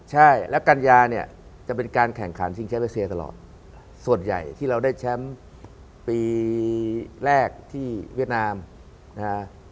ใช่แล้วกัญญาเนี่ยจะเป็นการแข่งขันชิงแชมป์เอเซียตลอดส่วนใหญ่ที่เราได้แชมป์ปีแรกที่เวียดนามนะฮะ